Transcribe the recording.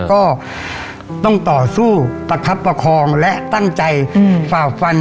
ก็ต้องต่อสู้ประคับประคองและตั้งใจฝ่าฟัน